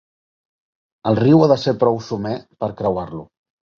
El riu ha de ser prou somer per creuar-lo.